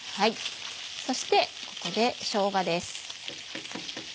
そしてここでしょうがです。